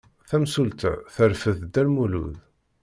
Tamsulta terfed Dda Lmulud.